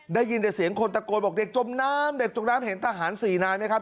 ได้ยินแต่เสียงคนตะโกนบอกเด็กจมน้ำเด็กจมน้ำเห็นทหารสี่นายไหมครับ